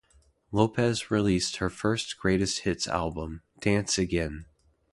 Lopez released her first greatest hits album, Dance Again...